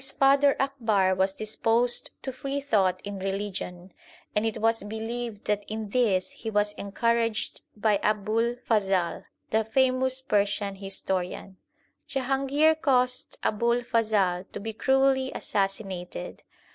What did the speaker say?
INTRODUCTION xlv father Akbar was disposed to free thought in religion, and it was believed that in this he was encouraged by Abul Fazal, the famous Persian historian. Jahangir caused Abul Fazal to be cruelly assassinated.